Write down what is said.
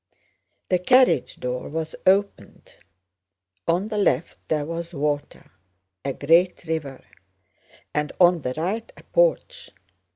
The carriage door was opened. On the left there was water—a great river—and on the right a porch.